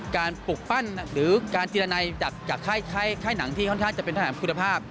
ปลูกปั้นหรือการเจรนัยจากค่ายหนังที่ค่อนข้างจะเป็นทหารคุณภาพ